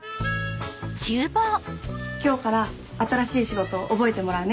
今日から新しい仕事覚えてもらうね。